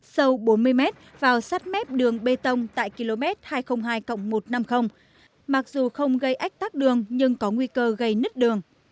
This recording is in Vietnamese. sâu bốn mươi m vào sát mép đường bê tông tại km hai trăm linh hai một trăm năm mươi mặc dù không gây ách tắc đường nhưng có nguy cơ gây nứt đường